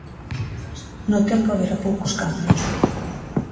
No tempo haberá poucos cambios.